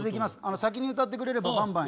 先に歌ってくれればバンバン。